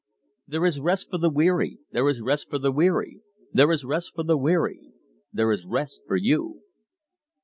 "There is rest for the weary, There is rest for the weary, There is rest for the weary, There is rest for you!"